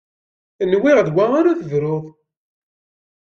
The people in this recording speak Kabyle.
Nwiɣ d wa ara tebɣuḍ.